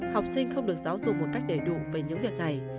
học sinh không được giáo dục một cách đầy đủ về những việc này